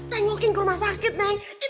nengokin ke rumah sakit